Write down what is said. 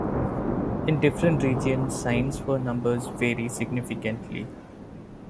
In different regions signs for numbers vary significantly.